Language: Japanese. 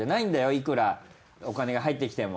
いくらお金が入ってきても。